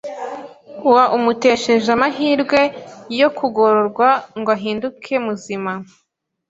ua umutesheje amahirwe yo kugororwa ngo ahinduke muzima